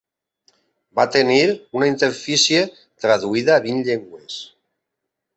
Va tenir una interfície traduïda a vint llengües.